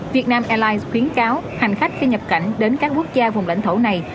việt nam airlines khuyến cáo hành khách khi nhập cảnh đến các quốc gia vùng lãnh thổ này